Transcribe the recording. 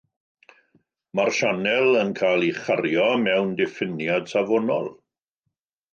Mae'r sianel yn cael ei chario mewn diffiniad safonol.